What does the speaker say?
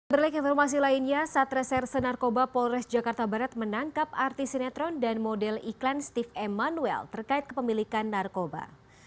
berlengkar informasi lainnya satreser senarkoba polres jakarta barat menangkap artis sinetron dan model iklan steve emanuel terkait kepemilikan narkoba